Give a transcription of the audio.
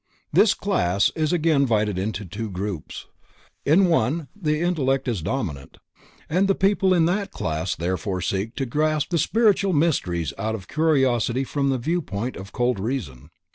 This class is again divided in two groups. In one the intellect is dominant, and the people in that class therefore seek to grasp the spiritual mysteries out of curiosity from the viewpoint of cold reason.